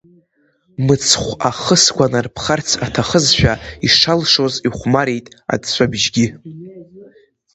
Мыцхә ахы сгәанарԥхарц аҭахызшәа, ишалшоз ихәмарит аҵәҵәабжьгьы…